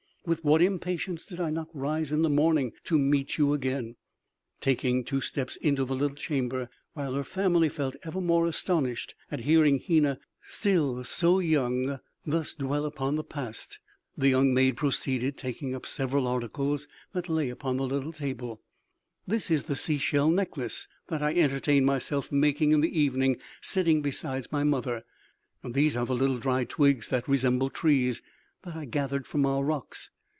With what impatience did I not rise in the morning to meet you again!" Taking two steps into the little chamber, while her family felt ever more astonished at hearing Hena, still so young, thus dwell upon the past, the young maid proceeded, taking up several articles that lay upon a little table: "This is the sea shell necklace that I entertained myself making in the evening sitting beside my mother.... These are the little dried twigs that resemble trees, and that I gathered from our rocks....